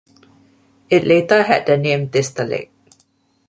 It later had the name "Dystelegh".